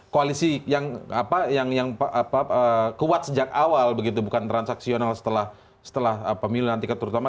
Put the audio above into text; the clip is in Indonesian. koalisi yang kuat sejak awal begitu bukan transaksional setelah pemilihan nanti keturut turut